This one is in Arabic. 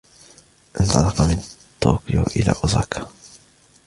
انطلقَ من طوكيو إلى أوزاكا.